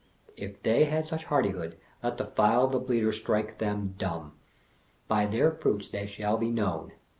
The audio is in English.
If they have such hardihood, let the tile of the Bleater strike them dumb. By their fruits they shall be known.